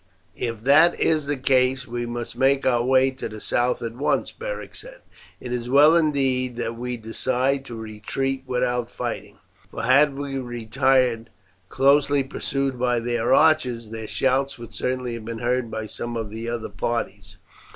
"If that is the case we must make our way to the south at once," Beric said. "It is well indeed that we decided to retreat without fighting, for had we retired, closely pursued by their archers, their shouts would certainly have been heard by some of the other parties.